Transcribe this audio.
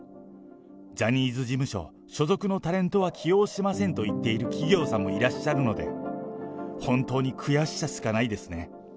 ジャニーズ事務所所属のタレントは起用しませんと言っている企業さんもいらっしゃるので、本当に悔しさしかないですね。